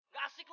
gak asik lo